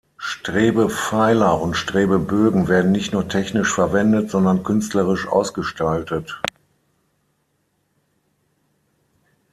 Strebepfeiler und Strebebögen werden nicht nur technisch verwendet, sondern künstlerisch ausgestaltet.